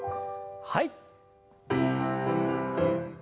はい。